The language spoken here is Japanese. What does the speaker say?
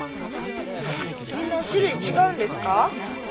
みんな種類違うんですか？